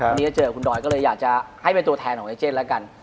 วันนี้จะเจอกับคุณดอยก็เลยอยากจะให้เป็นตัวแทนของไอเจนแล้วกัน